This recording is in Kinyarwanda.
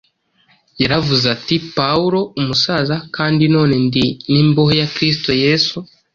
Yaravuze ati, “Pawulo umusaza, kandi none ndi n’imbohe ya Kristo Yesu.